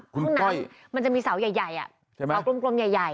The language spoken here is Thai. คุณน็อตมันจะมีเสาร์ใหญ่เสาร์กลมใหญ่